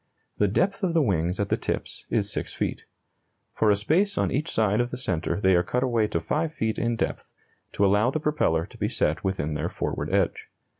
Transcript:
The depth of the wings at the tips is 6 feet. For a space on each side of the centre they are cut away to 5 feet in depth, to allow the propeller to be set within their forward edge.